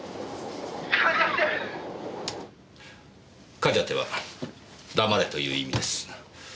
「カジャテ」は「黙れ」という意味です。